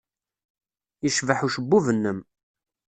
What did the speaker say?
Yecbeḥ ucebbub-nnem.